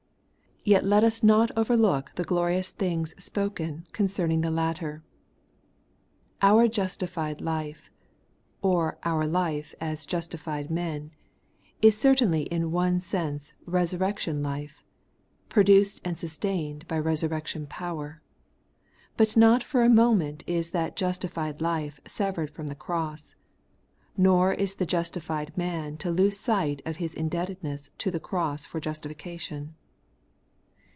Yet let us not overlook the ' glorious things ' spoken concerning the latter. Our justified life, or our life as justified men, is certainly in one sense resurrection life, produced and sustained by resurrection power. But not for a moment is that justified life severed from the cross, nor is the justified man to lose sight of his indebted ness to the cross for justification.